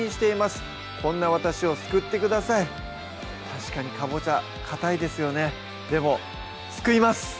確かにかぼちゃかたいですよねでも救います！